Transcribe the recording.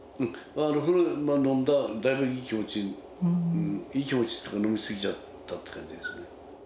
それは飲んだ、だいぶいい気持ち、いい気持ちというか、飲み過ぎちゃったっていう感じですね。